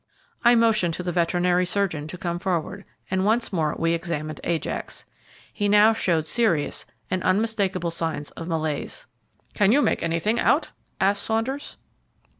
I motioned to the veterinary surgeon to come forward, and once more we examined Ajax. He now showed serious and unmistakable signs of malaise. "Can you make anything out?" asked Saunders.